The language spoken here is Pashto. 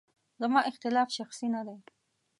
زما اختلاف شخصي نه دی.